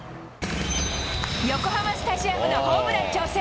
横浜スタジアムのホームラン挑戦。